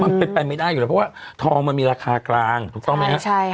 มันเป็นไปไม่ได้อยู่แล้วเพราะว่าทองมันมีราคากลางถูกต้องไหมครับ